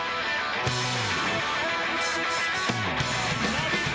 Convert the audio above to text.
「ラヴィット！」